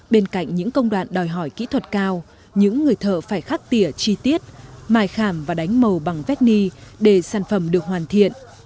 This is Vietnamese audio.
bên cạnh những công đoạn đòi hỏi kỹ thuật cao những người thợ phải khắc tỉa chi tiết mài khảm và đánh màu bằng vecny để sản phẩm được hoàn thiện